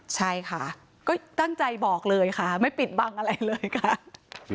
ใช่ค่ะก็ตั้งใจบอกเลยค่ะไม่ปิดบังอะไรเลยค่ะ